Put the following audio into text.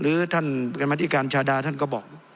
หรือท่านกรรมธิการชาดาท่านก็บอก